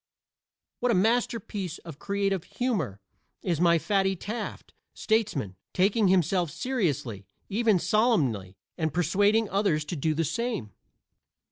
What a masterpiece of creative humor is my Fatty Taft, statesman, taking himself seriously, even solemnly, and persuading others to do the same!